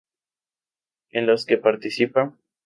En los que participa.